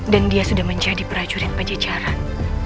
dan dia sudah menjadi prajurit pajajaran